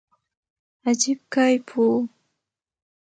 عجيب کيف وو.